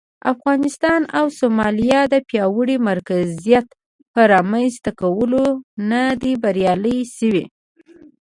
افغانستان او سومالیا د پیاوړي مرکزیت پر رامنځته کولو نه دي بریالي شوي.